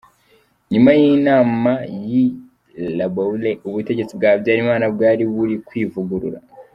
Nyuma y’inama y’i La Baule, ubutegetsi bwa Habyarimana bwari buri kwivugurura.